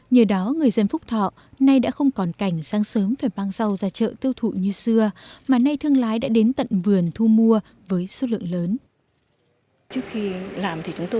nhờ đó người dân phúc thọ nay đã không còn cảnh sáng sớm phải mang rau ra chợ tiêu thụ như xưa mà nay thương lái đã đến tận vườn thu mua với số lượng lớn